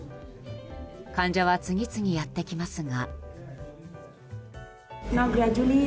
患者は次々やってきますが。